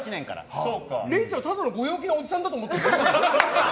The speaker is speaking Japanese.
れいちゃんはただのご陽気なおじさんだと思ってる。